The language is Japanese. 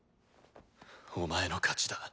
お前の勝ちだ。